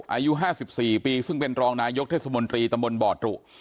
อายุห้าสิบสี่ปีซึ่งเป็นรองนายกเทศมนตรีตำรวจบ่อตรุ